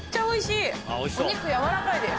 おいしい！